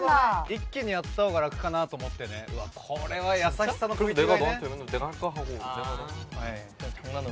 一気にやった方が楽かなと思ってうわっこれは優しさのくみ違いね